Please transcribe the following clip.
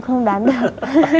em không đoán được